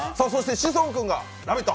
志尊君が「ラヴィット！」